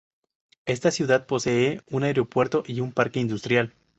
Esta ciudad posee un aeropuerto y un parque industrial.